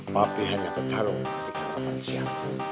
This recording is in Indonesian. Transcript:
papi hanya berdarung ketika lawan siap